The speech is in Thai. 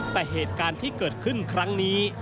แต่เหตุการณ์ที่เกิดขึ้นครั้งนี้